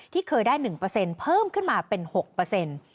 ที่เคยได้๑เพิ่มขึ้นมาเป็น๖เปอร์เซ็นต์